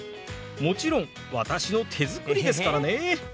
もちろん私の手作りですからね。